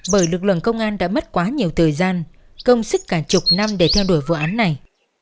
bởi lực lượng công an đã mất quá nhiều thời gian công sức cả chục năm để theo đuổi vụ án này